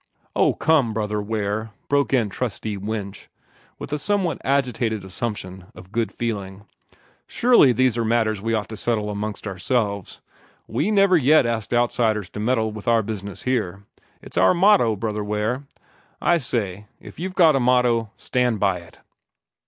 "Oh, come, Brother Ware!" broke in Trustee Winch, with a somewhat agitated assumption of good feeling. "Surely these are matters we ought to settle amongst ourselves. We never yet asked outsiders to meddle with our business here. It's our motto, Brother Ware. I say, if you've got a motto, stand by it."